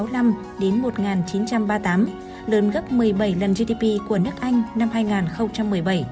lớn gấp một mươi bảy lần gdp của nước anh năm hai nghìn một mươi bảy